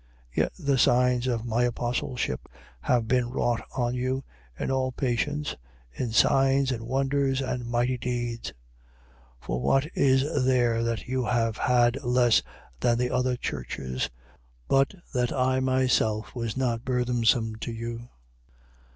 12:12. Yet the signs of my apostleship have been wrought on you, in all patience, in signs and wonders and mighty deeds. 12:13. For what is there that you have had less than the other churches but that I myself was not burthensome to you?